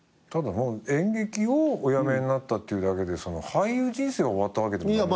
ただ演劇をおやめになったっていうだけで俳優人生終わったわけでも。